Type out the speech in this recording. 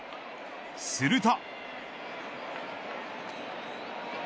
すると。